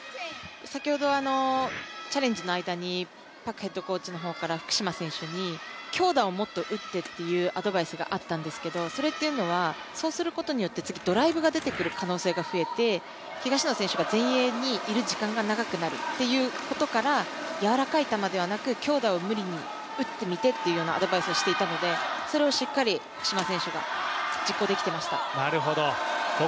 先ほど、チャレンジの間にパクヘッドコーチの方から福島選手に強打をもっとうってというアドバイスがあったんですけどそれっていうのはそうすることによってドライブが出てくる可能性が増えて東野選手が前衛にいる時間が長くなるっていうことからやわらかい球ではなく、強打を無理に打ってみてっていうアドバイスをしていたので、それをしっかり福島選手が実行できていました。